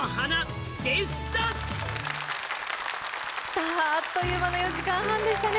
さあ、あっという間の４時間半でしたね。